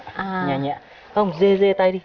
không dê dê tay đi